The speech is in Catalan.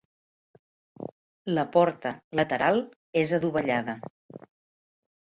La porta, lateral, és adovellada.